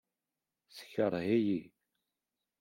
Tekṛeh-iyi.